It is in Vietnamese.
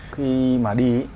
khi mà đi